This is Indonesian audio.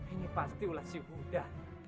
ini pasti ulas si buddha